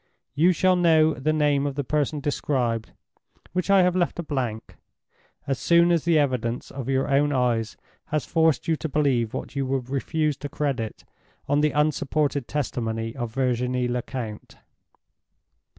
You shall know the name of the person described—which I have left a blank—as soon as the evidence of your own eyes has forced you to believe what you would refuse to credit on the unsupported testimony of Virginie Lecount."